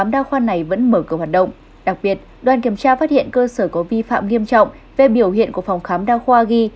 đặc biệt đoàn kiểm tra phát hiện cơ sở có vi phạm nghiêm trọng về biểu hiện của phòng khám đa khoa ghi